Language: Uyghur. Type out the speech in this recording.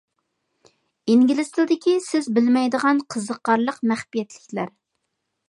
ئىنگلىز تىلىدىكى سىز بىلمەيدىغان قىزىقارلىق مەخپىيەتلىكلەر.